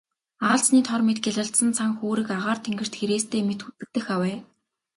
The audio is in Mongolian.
Аалзны тор мэт гялалзсан цан хүүрэг агаар тэнгэрт хэрээстэй мэт үзэгдэх авай.